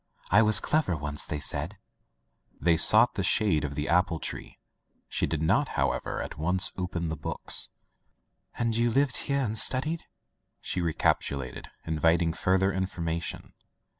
I was clever once,. they said/* They sought the shade of the apple tree. She did not, however, at once open the books. "And you live here and study," she re capitulated, inviting further information.